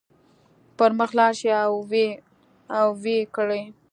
پر مخ لاړ شئ او ويې کړئ.